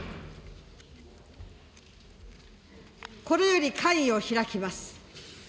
これより会議を開きます。